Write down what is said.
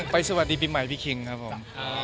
สวัสดีปีใหม่พี่คิงครับผม